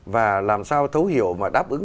và làm sao thấu hiểu và đáp ứng